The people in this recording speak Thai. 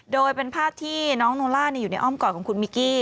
โดยเป็นภาพที่น้องโนล่าอยู่ในอ้อมกอดของคุณมิกกี้